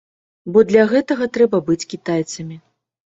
Бо для гэтага трэба быць кітайцамі.